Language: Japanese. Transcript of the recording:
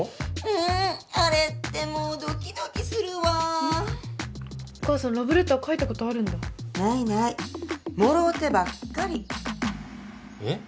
うーんあれってもうドキドキするわお母さんラブレター書いたことあるんだないないもろうてばっかりえっ？